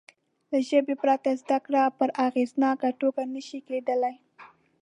له ژبې پرته زده کړه په اغېزناکه توګه نه شي کېدای.